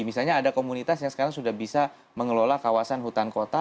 misalnya ada komunitas yang sekarang sudah bisa mengelola kawasan hutan kota